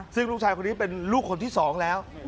ซึ่งลูกชายคนนี้เป็นลูกคนที่๒แล้ว